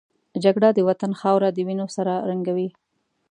جګړه د وطن خاوره د وینو سره رنګوي